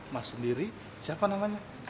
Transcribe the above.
mas sendiri siapa namanya